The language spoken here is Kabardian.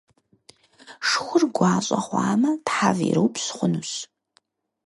Шхур гуащӏэ хъуамэ, тхьэв ирупщ хъунущ.